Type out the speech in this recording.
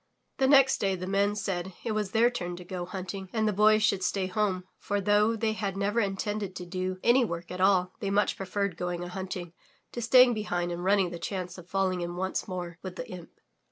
The next day the Men said it was their turn to go hunting and the Boy should stay home, for, though they had never intended to do any work at all, they much preferred going a hunting to staying behind and running the chance of falling in once more with the imp.